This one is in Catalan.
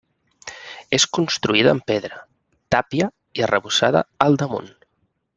És construïda amb pedra, tàpia i arrebossada al damunt.